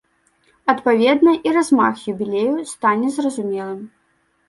Адпаведна, і размах юбілею стане зразумелым.